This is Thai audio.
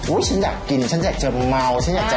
อุ๊ยฉันอยากกินฉันจะเห็นเมาฉันอยากจะเย้